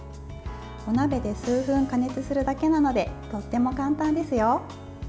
お鍋で数分加熱するだけなのでとっても簡単ですよ。